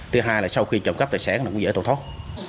thứ hai là sau khi trộm cắp tài sản cũng dễ tổn thoát